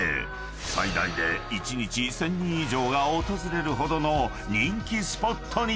［最大で一日１，０００人以上が訪れるほどの人気スポットに］